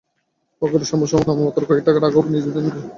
পকেটের সম্বল নামমাত্র কয়টা টাকাও ঈদে নিজের প্রয়োজনে খরচ করতে পারি না।